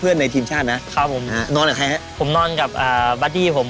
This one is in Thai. ผมนอนกับบัดดี้ผม